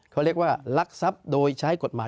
เขาเรียกว่ารักทรัพย์โดยใช้กฎหมาย